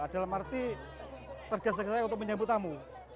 dalam arti tergesa gesa untuk menyambut tamu